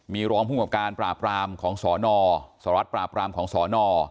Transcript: มีร้องภูมิกับการปราปรามของสอนอสรวจปราปรามของสอนอ